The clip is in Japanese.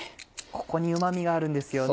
ここにうま味があるんですよね。